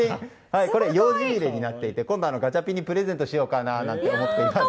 ようじ入れになっていて、今度ガチャピンにプレゼントしようかなと思っています。